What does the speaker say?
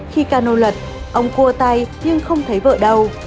khi cano lật ông cua tay nhưng không thấy vợ đâu